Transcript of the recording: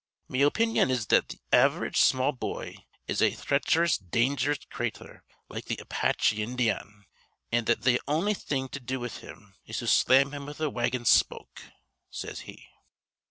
Me opinyon is that th' av'rage small boy is a threecherous, dangerous crather like th' Apachy Indyan' an' that th' on'y thing to do with him is to slam him with a wagon spoke,' says he.